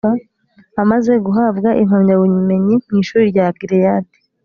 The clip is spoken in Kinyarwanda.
amaze guhabwa impamyabumenyi mu ishuri rya gileyadi